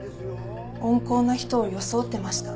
温厚な人を装ってました。